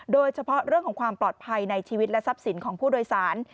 โดยเฉพาะเรื่องของความปลอดภัยในชีวิตและทรัพย์สินของผู้โดยสาร